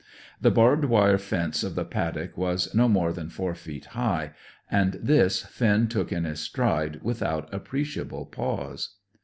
The barbed wire fence of the paddock was no more than four feet high, and this Finn took in his stride, without appreciable pause.